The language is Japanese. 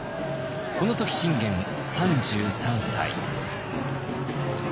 この時信玄３３歳。